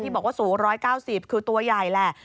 บอกว่าสูง๑๙๐คือตัวใหญ่แหละ